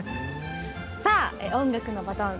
さあ音楽のバトン